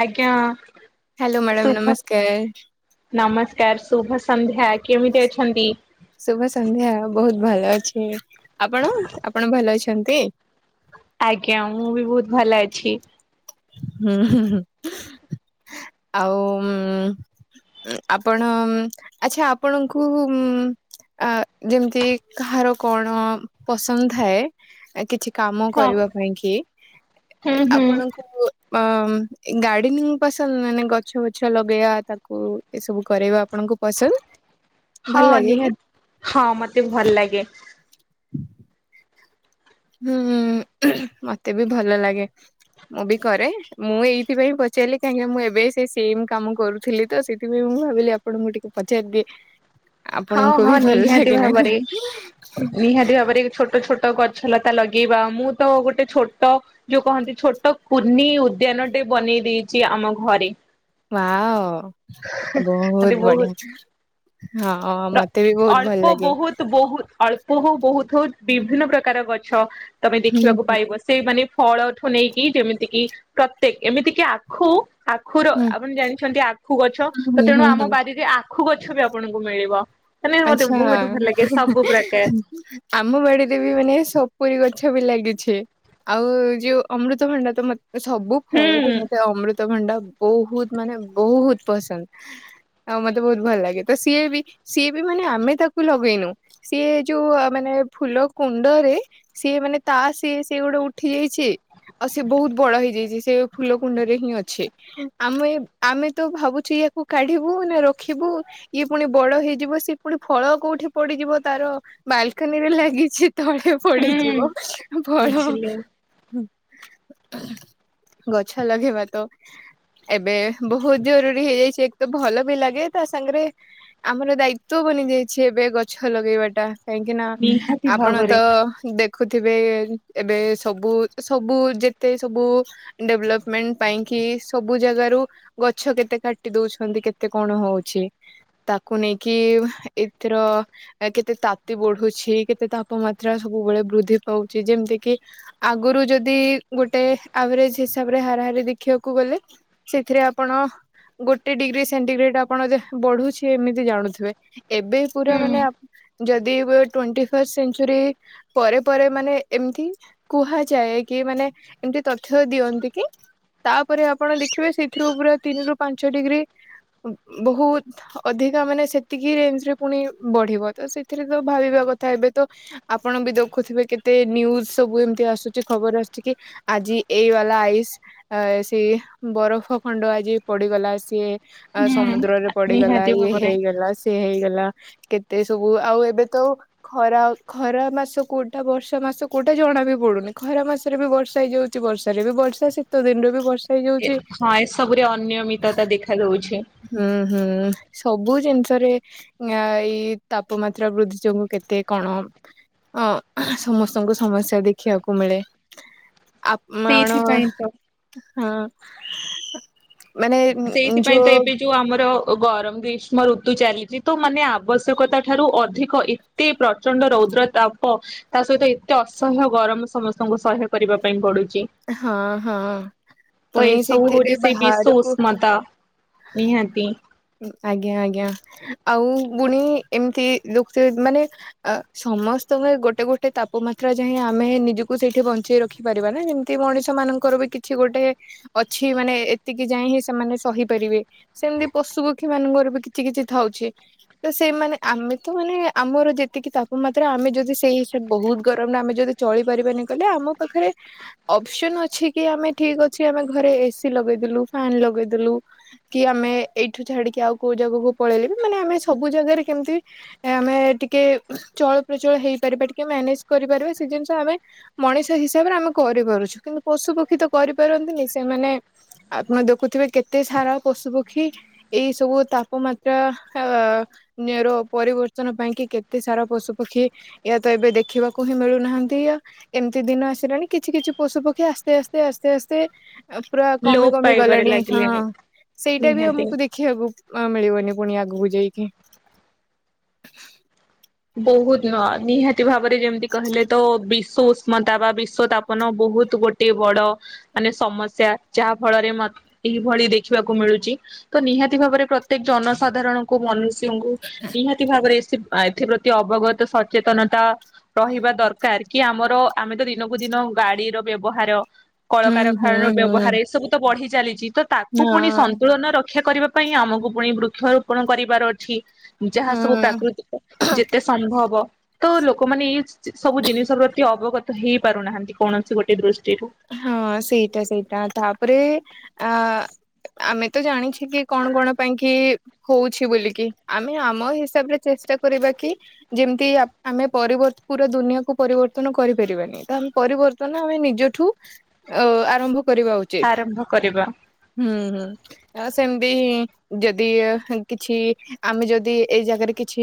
ଆଜ୍ଞା। Hello madam ଶୁଭ ନମସ୍କାର। ନମସ୍କାର ଶୁଭ ସନ୍ଧ୍ୟା କେମିତି ଅଛନ୍ତି? ଶୁଭ ସନ୍ଧ୍ୟା ବହୁତ ଭଲ ଅଛି। ଆପଣ ଆପଣ ଭଲ ଅଛ? ଛନ୍ତି [inaudible] ଆଜ୍ଞା ମୁଁ ବି ବହୁତ ଭଲ ଅଛି। ହୁଁ ହୁଁ ଆଉ ଆପଣ ଆଚ୍ଛା ଆପଣଙ୍କୁ ଯେମିତି କାହାର କଣ ପସନ୍ଦ ଥାଏ। କିଛି କାମ ହଁ କରିବା ପାଇଁ କି ହୁଁ ହୁଁ ଆପଣଙ୍କୁ ଅ ଗାର୍ଡେନିଂ ପସନ୍ଦ ମାନେ ଗଛ ବଛ ଲଗେଇବା ତାକୁ ଏସବୁ କରେଇବା। ହଁ କି? ନିହାତି ହଁ ମତେ ଭଲ ଲାଗେ। ହୁଁ [inaudible] ହୁଁ ମତେ ବି ଭଲ ଲାଗେ। ମୁଁ ବି କରେ ମୁଁ ଏଇଥିପାଇଁ ପଚାରିଲି କାହିଁକିନା ମୁଁ ଏବେ ସେ ସେମ କାମ କରୁଥିଲି ତ ସେଇଥିପାଇଁ ମୁଁ ଭାବିଲି ଆପଣଙ୍କୁ ଟିକେ ପଚାରିଦିଏ। ହଁ ଆପଣଙ୍କୁ ହଁ ବି ଭଲ ନିହାତି ଲାଗେ ନା ଭାବରେ ନାଇଁ ନିହାତି ଭାବରେ ଛୋଟ ଛୋଟ ତ ଗଛ ଲତା ଲଗେଇବା ମୁଁ ତ ଗୋଟେ ଛୋଟ ଯୋଉ କହନ୍ତି ଛୋଟ କୁନି ଉଦ୍ୟାନଟେ ବନେଇ ଦେଇେଇଛି ଆମ ଘରେ। ବାଓ [inaudible] ବହୁତ ବଢିଆ। ହଁ ମତେ ବି ବହୁତ ଭଲ ଅଳ୍ପ ଲାଗେ। ବହୁତ ବହୁତ ଅଳ ବହୁତ ହଉ ବିଭିନ୍ନ ପ୍ରକାର ଗଛ। ତମେ ହୁଁ ଦେଖିବାକୁ ପାଇବ ସେଇ ମାନେ ଫଳଠୁ ନେଇକି ଯେମିତି କିି ପ୍ରତ୍ୟେକ ଏମିତି କିି ଆଖୁ। ଆଖୁର ହୁଁ ଆପଣ ଜାଣିଛନ୍ତି ଆଖୁ ଗଛ ତ ହୁଁ ତେଣୁ ହୁଁ ଆମ ହୁଁ ବାରିରେ ଆ ଆଖୁ ଗଛ ବି ଆପଣଙ୍କୁ ମିଳିବ। ବା [inaudible] ଆଛା ଆମ ବାଡିରେ ବି ମାନେ ସପୁରୀ ଗଛ। ମାଛ ବି ଲାଗିଛି ଆଉ ଯୋଉ ଅମୃତଭଣ୍ଡା ତ ମତ ସବୁ ଫଳଠୁ ହୁଁ ମତେ ଅମୃତ ଭଣ୍ଡା ବହୁତ ମାନେ ବହୁତ ପସନ୍ଦ ଆଉ ମତେ ବହୁତ ଭଲ ଲାଗେ ତ ସିଏ ବି ସିଏ ମାନେ ଆମେ ତାକୁ ଲଗେଇନୁ, ସିଏ ଯୋଉ ମାନେ ଫୁଲ କୁଣ୍ଡରେ ସିଏ, ମାନେ ତା ସିଏ ସେ ଗୋଟେ ଉଠି ଯାଇଛି, ଆଉ ସିଏ ବହୁତ ବଡ ହେଇଯାଇଛି ସେ ଫୁଲ କୁଣ୍ଡରେ ହିଁ ଅଛେ ଆମେ ଆମେ ତ ଭାବୁଛେ ୟାକୁ କାଢିବୁ ନା ରଖିବୁ ଇଏ ପୁଣି ବଡ ହେଇଯିବ ସେ ପୁଣି ଫଳ କୋଉଠି ପଡିଯିବ ତାର ବାଲକାନିରେ ଲାଗିଛି ତଳେ ହୁଁ ପଡିଯିବ ଫଳ। ବୁଝିଲି ଗଛ ଲଗେଇବା ତ ଏବେ ବହୁତ ଜରୁରୀ ହେଇଯାଇଛି, ତ ଭଲ ବି ଲାଗେ ତା ସାଙ୍ଗରେ ଆମର ଦାୟିତ୍ୱ ତ ବନିଯାଇଛି ଏବେ ଗଛ ଲଗେଇବାଟା କାହିଁକି ନା ନିହାତି ଆପଣ ଭାବରେ ତ ଦେଖ ଦେଖୁଥିବେ ଏବେ ସବୁ ସବୁ ଯେତେ ସବୁ ଡେଭଲପମେଣ୍ଟ ପାଇଁ କି ସବୁ ଜାଗାରୁ ଗଛ କେତେ କାଟି ଦଉଛନ୍ତି, କେତେ କଣ ହଉଛି ତାକୁ ନେଇକ କି ଏଥିର କେତେ ତାତି ବଢୁଛି କେତେ ତାପମାତ୍ରା ସବୁବେଳେ ବୃଦ୍ଧି ପାଉଛି, ଯେମିତି କିି ଆଗରୁ ଯଦି ଗୋଟେ ଆଭରେଜ ହିସାବରେ ହାରାହାରି ଦେଖିବାକୁ ଗଲେ ସେଥିରେ ଆପଣ ଗୋଟେ ଡିଗ୍ରୀ ସେଣ୍ଟିଗ୍ରେଡ ଆପଣ ବଢୁଛି ଏମିତି ଜାଣୁଥିବ ଏବେ ହୁଁ ପୁରା ମାନେ ଯଦିଣ୍ ଫଷ୍ଟ ସେରୀ ପରେ ପରେ ମାନେ ଏମିତି କୁହାଯାଏ କି ମାନେ ଏମିତି ତଥ୍ୟ ଦିଅନ୍ତି କି ତାପରେ ଆପଣ ଦେଖିବେ, ସେଥିରୁ ପୁରା ତିନି ରୁ ପାଞ୍ଚ ଡିଗ୍ରୀ ବହୁତ ଅଧିକା ମାନେ ଏତିକି ରେଞ୍ଜ ରେ ପୁଣି ବଢିବ ତ ସେଥିରେ ତ ଭାବିବା କଥା ଏବେ ତ ଆପଣ ବି ଦେଖୁଥିବେ କେତେ, ନିୁଜ ସବୁ ଏମତି ଆସୁଛି, ଖବର ଆସୁଛି କି ଆଜି ଏଇ ବାଲା ଆଇସ୍ ସେଇ ବରଫ ଖଣ୍ଡ ଆଜି ପଡିଗଲା ସିଏ ଆ ହୁଁ ସମୁଦ୍ରରେ ପଡିଗଲା ନିହାତି ଇଏ ଭାବରେ ହେଇଗଲା ହେଇଗଲା କେତେ ସବୁ ଆଉ ଏବେ ତ ଖରା ଖରା ମାସ କୋଉଟା ବର୍ଷା ମାସ କୋଉଟା ଜଣା ବି ପଡୁନି। ଖରା ମାସରେ ବି ବର୍ଷା ହେଇଯାଉଛି। ବର୍ଷାରେ ବି ବର୍ଷା ଶୀତ ଦିନରୁ ବି ବର୍ଷା ଏ ହେଇଯାଉଛି ହଁ ଏସବୁରେ ଅନିୟମିତତା ଦେଖା ଦଉଛି। ହୁଁ ହୁଁ ସବୁ ଜିନିଷରେ ଏଇ ତାପମାତ୍ରା ବୃଦ୍ଧି ଯୋଗୁ କେତେ କଣ ଅ ସମସ୍ତଙ୍କୁ ସମସ୍ୟା ଦେଖିବାକୁ ମିଳେ ମଣ ସେଇଥିପାଇଁ ତ ହଁ ମାନେ ଯୋ ସେଇଥିପାଇଁ ତ ଏବେ ଯୋଉ ଆମର ଗରମ ଗ୍ରୀଷ୍ମ ଋତୁ ଚାଲିଛି ତ ମାନେ ଆବଶ୍ୟକତା ଠାରୁ ଅଧିକ ଏତେ ପ୍ରଚଣ୍ଡ ରୌଦ୍ର ତାପ ତା ସହିତ ଏତେ ଅସହ୍ୟ ଗରମ ସମସ୍ତଙ୍କୁ ସହ୍ୟ କରିବା ପାଇଁ ପଡୁ ହଁ ହଁ ପୁଣି ସେଇଥିରେ ବାହାରକୁ ମଦ ନିହାତି। ଆଜ୍ଞା ଆଜ୍ଞା ଆଉ ବୁଣି ଏମିତି ମାନେ ସମସ୍ତଙ୍କ ଗୋଟେ ଗୋଟେ ତାପମାତ୍ରା ଯାଇ ଆମେ ନିଜକୁ ସେଇଠି ବଞ୍ଚେଇ ରଖି ପାରିବା, ନା ଯେମିତି ମଣିଷ ମାନଙ୍କର ବି କିଛି ଗୋଟେ ଅଛି, ମାନେ ଏତିକି ଯାଇଏ ହିଁ ସେମାନେ ସହିପାରିବେ ସେମତି ପଶୁପକ୍ଷୀ ମାନଙ୍କର ବି କିଛି କିଛି ଥାଉଛି ତ ସେଇମାନେ ଆମେ ତ ମାନେ ଆମର ଯେତିକି ତାପମାତ୍ରା ଆମେ ଯଦି ସେଇ ହିସାବ, ବହୁତ ଗରମରେ ଆମେ ଯଦି ଚଳିପାରିବାନି କହିଲେ ଆମ ପାଖରେ ଅପସନ ଅଛି, କି ଆମେ ଠିକ ଅଛି ଆମେ ଘରେ ଏସିି ଲଗେଇଦେଲୁ, ଫାନ ଲଗେଇଦେଲୁ, କି ଆମେ ଏଇଠୁ ଛାଡିକି ଆଉ କୋଉ ଜାଗାକୁ ପଳେଇଲେ ବି ମାନେ ଆମେ ସବୁ ଜାଗାରେ କେମିତି ଆମେ ଟିକେ ଚଳପ୍ରଚଳ ହେଇପାରିବା ଟିକେ ମ୍ୟାନେଜ କରିପାରିବା ସେ ଜିନିଷ ଆମେ ମଣିଷ ହିସାବରେ ଆମେ କରିପାରୁଛୁ, କିନ୍ତୁ ପଶୁପକ୍ଷୀ ତ କରିପାରନ୍ତିନି ସେମାନେ ଆପଣ ଦେଖୁଥିବେ କେତେ ସାରା ପଶୁପକ୍ଷୀ ଏଇ ସବୁ ତାପମାତ୍ରା ଅ ର ପରିବର୍ତ୍ତନ ପାଇଁ କି କେତେ ସାରା ପଶୁ ପକ୍ଷୀ ୟା ତ ଏବେ ଦେଖିବାକୁ ହିଁ ମିଳୁନାହାନ୍ତି। ଏମିତି ଦିନ ଆସିଲାଣି କିଛି କିଛି ପଶୁପକ୍ଷୀ ଆସ୍ତେ ଆସ୍ତେ ଆସ୍ତେ ଆସ୍ତେ ଆଉ ପୁରା କମି ଲୋପ କମି ପାଇବାରେ ଗଲାଣି। ହଁ ଲାଗିଲେଣି ସେଇଟା ବି ଆ ନିହାତି। କୁ ଦେଖିବାକୁ ମିଳିବନି ପୁଣି ଆଗକୁ ଯାଇକି। ବହୁତ ନୁହଁ ନିହାତି ଭାବରେ ସେ ଯେମତି କହିଲେ ତ ବି ସୁଷ୍ମତା ବା ବିଶ୍ଵତାପନ ବୋହୁତ ଗୋଟେ ବଡ ମାନେ ସମସ୍ୟା ଯାହା ଫଳରେ ମ-ଏହିଭଳି ଦେଖିବାକୁ ମିଳୁଚି ତ ନିହାତି ଭାବରେ ପ୍ରତ୍ୟେକ ଜନସାଧାରଣଙ୍କୁ ମନୁଷ୍ୟ ଠାକୁରଙ୍କୁ ନିହାତି ଭାବରେ। [unintelligible] ଅବଗତ ସଚେତନତା ରହିବା ଦରକାର। କି ଆମର ଆମେ ତ ଦିନକୁ ଦିନ ଗାଡିର ବ୍ୟବହାର ହୁଁ ହୁଁ କଳକାରଖାନାର ହୁଁ। ବ୍ୟବହାର ଏ ସବୁ ତ ବଢି ଚାଲିଛି ତ ତାକୁ ପୁଣି ହଁ ସନ୍ତୁଳନ ରଖ ରକ୍ଷା କରିବା ପାଇଁ ଆମକୁ ପୁଣି ବୃକ୍ଷରୋପଣ କରିବାର ଅଛି ଯାହା ସବୁ ହୁଁ ପ୍ରାକୃତିକ ଯେତେ ସମ୍ଭବ ତ ଲୋକମାନେ [inaudible] ସବୁ ଜିନିଷ ପ୍ରତି ଅବଗତ ହେଇ ପାରୁନାହାନ୍ତି କୌଣସି ଗୋଟେ ଦୃଷ୍ଟି ହଁ ସେଇଟା ସେଇଟା ତାପରେ ଅ ଆମେ ତ ଜାଣିଛୁ ଏଠିକି କଣ କଣ ପାଇଁ କି ହଉଛି ବୋଲିକି ଆମେ ଆମ ହିସାବରେ ଚେଷ୍ଟା କରିବା କି ଯେମିତି ଆମେ ପରିବତ ପୁରା ଦୁନିଆକୁୁ ପରିବର୍ତ୍ତନ କରିପାରିବାନି ତ ଆମେ ପରିବର୍ତ୍ତନ ଆମେ ନିଜଠୁ ଅ ଆରମ୍ଭ କରିବା ଉଚିତ ଆରମ୍ଭ କରିବା ହୁଁ ହ। ସେମିତିଁ ଯଦି କିଛି ଆମେ ଯଦି ଏଇ ଜାଗାରେ କିଛି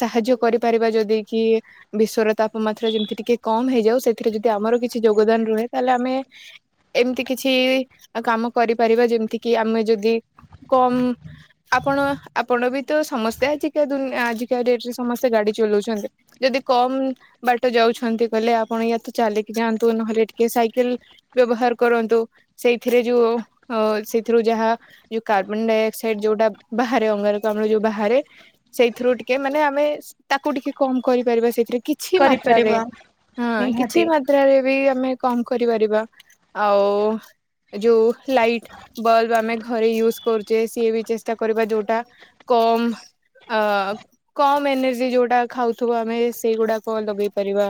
ସାହାଯ୍ୟ କରିପାରିବା ଯଦି କି ବିଶ୍ଵର ତାପମାତ୍ରା ଯେମିତି ଟିକେ କମ ହେଇଯାଉ ସେଥିରେ ଯଦି ଆମର କିଛି ଯୋଗଦାନ ରହେ ତାହଲେ ଆମେ ଏମିତି କିଛି କାମ କରିପାରିବା ଯେମିତି କି ଆମେ ଯଦି କମ ଆପଣ ଆପଣ ବି ତ ସମସ୍ତେ ଆଜାି ଆଜିକା ଡେଟରେ ସମସ୍ତେ ଗାଡି ଚଲାଉଛନ୍ତି ଯଦି କମ ବାଟ ଯାଉଛନ୍ତି କହିଲେ ଆପଣ ୟା ତ ଚାଲିକି ଯାଆନ୍ତୁ ନହେଲେ ଟିକେ ସାଇକେଲ ବ୍ୟବହାର କରନ୍ତୁ ସେଇଥିରେ ଯୋଉ ସେଇଥିରୁ ଯାହା ଯୋଉ କାର୍ବନ ଡାଇଅକ୍ସାଇଡ ଯୋଉଟା ବାହାରେ ଅଙ୍ଗାରକାମ୍ଲ ଆମର ଯୋଉ ବାହାରେ ସେଇଥିରୁ ଟିକେ ମାନେ ଆମେ ତାକୁ ଟିକେ କମ କରିପାରିବା। ସେଇଥିରେ କିଛି ମାତ୍ରାରେ କରିପାରିବା ହଁ କିଛି ନିହାତି ମାତ୍ରାରେ ବି ଆମେ କମ କରିପାରିବା ଆଉ ଯୋଉ ଲାଇଟ ବଲବ ଆମେ ଘରେ ୟୁଜ୍ କରୁଛେ ସିଏ ବି ଚେଷ୍ଟା କରିବା ଯୋଉଟା କମ କମ ଏନର୍ଜି ଯୋଉଟା ଖାଉଥିବ ଆମେ ସେଇଗୁଡାକ ଲଗେଇ ପାରିବା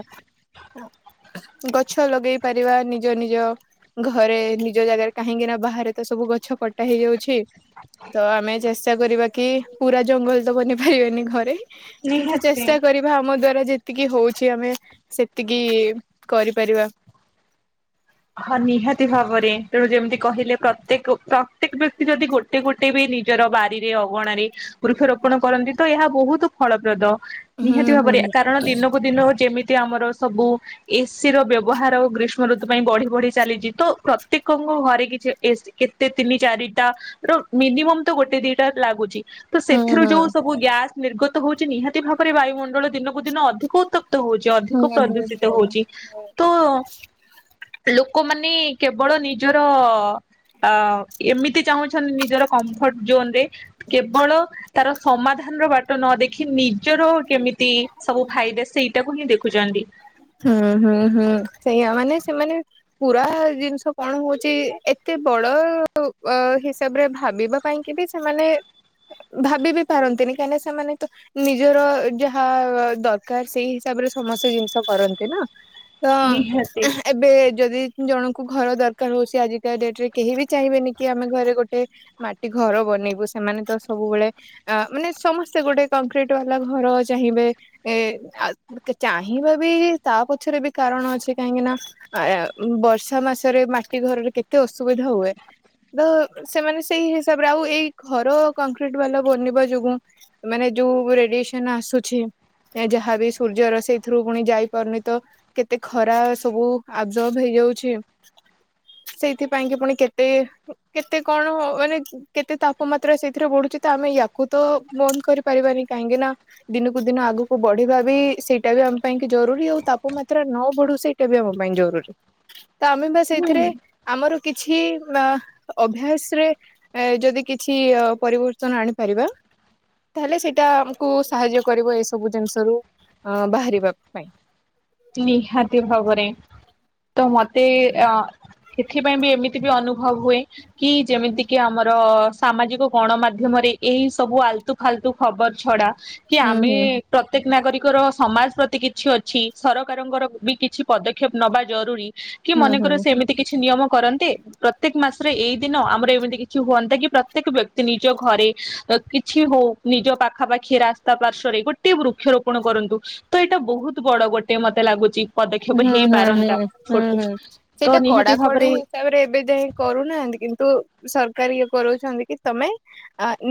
ଗଛ ଲଗେଇ ପାରିବା ନିଜ ନିଜ ଘରେ ନିଜ ଜାଗାରେ କାହିଁକି ନା ବାହାରେ ତ ସବୁ ଗଛ କଟା ହେଇଯାଉଛି ତ ଆମେ ଚେଷ୍ଟା କରିବା କି ପୁରା ଜଙ୍ଗଲ ତ ବନି ପାରିବେନି ଘରେ କିନ୍ତୁ ନିହାତି। ଚେଷ୍ଟା କରିବା ଆମ ଦ୍ଵାରା ଯେ ଯେତିକି ହଉଛି ଆମେ ସେତିକି କରିପାରିବା। ହଁ ନିହାତି ଭାବରେ ତେଣୁ ଯେମିତି କହିଲେ ପ୍ରତ୍ୟେକ ପ୍ରତ୍ୟେକ ବ୍ୟକ୍ତି ଯଦି ଗୋଟେ ଗୋଟେ ବି ନିଜର ବାରିରେ ଅଗଣାରେ ବୃକ୍ଷରୋପଣ କରନ୍ତି ତ ଏହା ବହୁତ ଫଳପ୍ରଦ। ହୁଁ ନିହାତି ହୁଁ ଭାବରେ କାରଣ ଦିନକୁ ଦିନ ଯେମିତି ଆମର ସବୁ ଏସିି ର ବ୍ୟବହାର ଗ୍ରୀଷ୍ମ ଋତୁ ପାଇଁ ବଢିବ ବଢି ଚାଲିଛି ତ ପ୍ରତ୍ୟେକଙ୍କ ଘରେ କିଛି ଏସି କେତେ ତିନି ଚାରିଟା ର ମିନିମମ୍ ତ ଗୋଟେ ଦିଟା ଲାଗୁଛି। ତ ହୁଁ ସେଥିରୁ ହୁଁ ଯୋଉ ସବୁ ଗ୍ୟାସ୍ ନିର୍ଗତ ହଉଛି ନିହାତି ଭାବରେ ବାୟୁମଣ୍ଡଳ ଦିନକୁ ଦିନ ଅଧିକ ଉତ୍ତପ୍ତ ହଉଛି ଅଧିକ ହୁଁ ହୁଁ ପ୍ରଦୂଷିତ ହୁଁ ହଉଛି ତ ଲୋକମାନେ କେବଳ ନିଜର ଏମିତି ଚାହୁଁଛନ୍ତି ନିଜର କମ୍ଫର୍ଟ ଜୋନ ରେ କେବଳ ତାର ସମାଧାନର ବାଟ ନ ଦେଖି ନିଜର କେମିତି ସବୁ ଫାଇଦ ସେଇଟା ହିଁ ଦେଖୁଛନ୍ତି ହୁଁ ହୁଁ ହୁଁ ସେଇଆା ମାନେ ସେମାନେ ପୁରା ଜିନିଷ କଣ ହଉଛି ଏତେ ବଡ ହିସାବରେ ଭାବିବା ପାଇଁକ ବି ସେମାନେ ଭାବି ବି ପାରନ୍ତିନି କାହିଁକିନା ସେମାନେ ତ ନିଜର ଯାହା ଦରକାର ସେଇ ହିସାବରେ ସମସ୍ତେ ଜିନିଷ କରନ୍ତି ନା ତ ନିହାତି ଏବେ ଯଦି ଜଣଙ୍କୁ ଘର ଦରକାର ହଉ। ସେ ଆଜିକା ଡେଟ୍ ରେ କେହି ବି ଚାହିଁବେନି କି ଆମେ ଘରେ ଗୋଟେ ମାଟି ଘର ବନେଇବୁ। ସେମାନେ ତ ସବୁବେଳେ ଆ ମାନେ ସମସ୍ତେ ଗୋଟେ କଂକ୍ରିଟ ବାଲା ଘର ଚାହିଁବେ ଏ ଆ ଚ୍ଚାହିଁବେ। ହୁ ଏ ତା ପଛରେ ବି କାରଣ ଅଛି। କାହିଁକି ନା ଆ [unintelligible] ବର୍ଷା ମାସରେ ମାଟି ଘରରେ କେତେ ଅସୁବିଧା ହୁଏ ତ ସେମାନେ ସେଇ ହିସାବରେ ଆଉ ଏଇ ଘର କଂକ୍ରିଟ ବାଲା ବନିବା ଯୋଗୁ ମାନେ ଯୋଉ ରେଡିଏସନ ଆସୁଛି ଯାହାବି ସୂର୍ଯ୍ୟର ସେଇଥିରୁ ପୁଣି ଯାଇପାରୁନି ତ କେତେ ଖରା ସବୁ ଆବଜର୍ଭ ହେଇଯାଉଛି। ସେଇଥିପାଇଁ କି ପୁଣି କେତେ କେତେ କଣ ମାନେ କେତେ ତାପମାତ୍ରା ସେଇଥିରେ ବଢୁଛି ତ ଆମେ ୟାକୁ ତ ବନ୍ଦ କରିପାରିବାନି କାହିଁକି ନା ଦିନକୁ ଦିନ ଆଗକୁ ବଢିବା ବି ସେଇଟା ବି ପାଇଁ କି ଜରୁରୀ ଆଉ ତାପମାତ୍ରା ନ ବଢୁ ସେଇଟା ବି ଆମ ପାଇଁ ଜରୁରୀ। ତ ଆମେ ବା ହୁଁ ସେଇଥିରେ ଆମର କିଛି ଅଭ୍ୟାସରେ ଯଦି କିଛି ପରିବର୍ତ୍ତନ ଆଣିପାରିବା ତାହେଲେ ସେଇଟା ଆମକୁ ସାହାଯ୍ୟ କରିବ ଏସବୁ ଜିନିଷରୁ ବାହାରିବା। ବାଇ। ନିହାତି ଭାବରେ। ତ ମତେ ୟାର୍। ଏଥିପାଇଁ ବି ଏମିତି ବି ଅନୁଭବ ହୁଏ କି ଯେମିତି କି ଆମର ସାମାଜିକ ଗଣମାଧ୍ୟମରେ ଏଇ ସବୁ ଆଲତୁ ଫାଲତୁ ଖବର ଛଡା କି ହୁଁ ଆମେ ହୁଁ ପ୍ରତ୍ୟେକ ନାଗରିକ। ଙ୍କର ସମାଜ ପ୍ରତି କିଛି ଅଛି। ସରକାରଙ୍କର ବି କିଛି ପଦକ୍ଷେପ ନେବା ଜରୁରୀ। କି ହୁଁ ମନେକର ହୁଁ। ସେ ଏମିତି କିଛି ନିୟମ କରନ୍ତି ପ୍ରତ୍ୟେକ ମାସ ପରା ଏଇ ଦିନ ଆମର ଏମିତି କିଛି ହୁଅନ୍ତା କି ପ୍ରତ୍ୟେକ ବ୍ୟକ୍ତି ନିଜ ଘରେ କିଛି ହଉ ନିଜ ପାଖାପାଖି ରାସ୍ତା ପାର୍ଶ୍ଵରେ ଗୋଟେ ବୃକ୍ଷରୋପଣ କରନ୍ତୁ ତ ଏଇଟା ବହୁତ ବଡ ଗୋଟେ ସେ ମତେ ଲାଗୁଚି ହୁଁ ହୁଁ ହୁଁ ହୁଁ ହୁଁ ତ ସେଇଟା ନିହାତି କଡାକଡି ଭାବରେ ହିସାବରେ ଏବେ ଯାଇ କରୁନାହାନ୍ତି। କିନ୍ତୁ ସରକାର ଇଏ କରାଉଛନ୍ତି କି ତମେ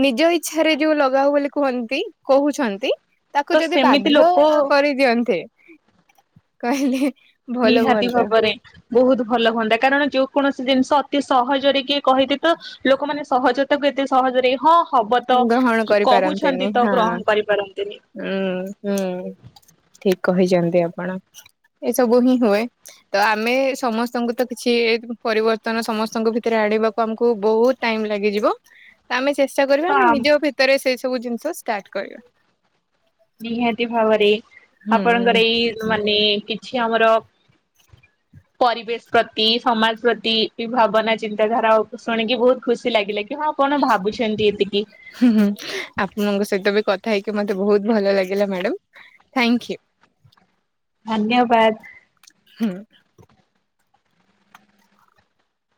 ନିଜ ଇଚ୍ଛାରେ ଯୋଉ ଲଗାଉ ବୋଲି କୁହନ୍ତି। କହୁଛନ୍ତି ତାକୁ ତ ଯଦି ସେମିତି ବାଧ୍ୟ ଲୋକ କରିଦିଅନ୍ତେ କହିଦିଏ। ନିହାତି ଭାବରେ ବହୁତ ଭଲ ହୁଅନ୍ତା କାରଣ ଯୋଉ କୌଣସି ଜିନିଷ ଅତି ସହଜରେ କିଏ କହିତି ତ ଲୋକମାନେ ସହଜ ତାକୁ ଏତେ ସହଜରେ ହଁ ହବ ତ ଗ୍ରହଣ କହୁଛନ୍ତି କରିପାରନ୍ତିନି ତ ହଁ ଗ୍ରହଣ କରିପାରନ୍ତିନି ଉଁ ହୁଁ ଠିକ। କହିଛନ୍ତି ଆପଣ ଏସବୁ ହିଁ ହୁଏ ତ ଆମେ ସମସ୍ତଙ୍କୁ ତ କିଛି ପରିବର୍ତ୍ତନ ସମସ୍ତଙ୍କ ଭିତରେ ଆଣିବାକୁ ଆମକୁ ବହୁତ ଟାଇମ ଲାଗିଯିବ ଆମେ କରିବା ତ ଆମେ ନିଜ ଭିତରେ ସେ ସବୁ ଜିନିଷ ଷ୍ଟାର୍ଟ କରିବା। ନିହାତି ଭାବରେ। ହୁଁ ହୁଁ ଆପଣଙ୍କର ଏଇ ମାନେ କି ଛି ଆମର ପରିବେଶ ପ୍ରତି ସମାଜ ପ୍ରତି କି ଭାବନା ଚିନ୍ତାଧାରା ଉପ୍ପ ଶୁଣିକି ବହୁତ ଖୁସି ଲାଗିଲା କି। ହଁ ଆପଣ ଭାବୁଛନ୍ତି ଏତିକି ହୁଁ ହୁଁ ଆପଣଙ୍କ ସହିତ ଏବେ କଥା ଥା ହେଇକି ମତେ ବହୁତ ଭଲ ଲାଗିଲା ମ୍ୟାଡମ୍ ଥାଙ୍କ୍ୟୁ। ଧନ୍ୟବାଦ। ହୁଁ।